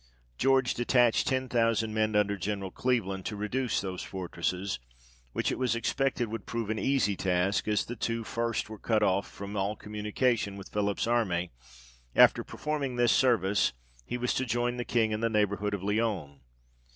George detached ten thousand men under General Cleveland, to reduce those fortresses, which it was expected would prove an easy task, as the two first were cut off from all communication with Philip's army ; after performing this service, he was to join the King in the neighbour hood of Lyons.